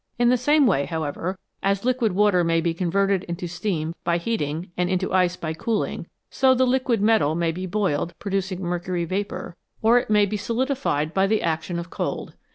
In the same way, however, as liquid water may be converted into steam by heating and into ice by cooling, so the liquid metal may be boiled, producing mercury vapour, or it may be 61 METALS, COMMON AND UNCOMMON solidified by the application of cold.